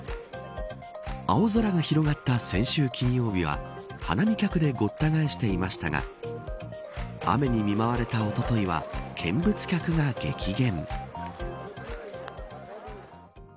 青空が広がった先週金曜日は花見客でごった返していましたが雨に見舞われたおとといは見物客が激減。